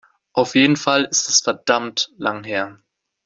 Auf jeden Fall ist es verdammt lang her.